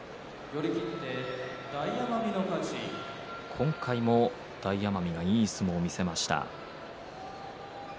今回も大奄美が、いい相撲を見せました。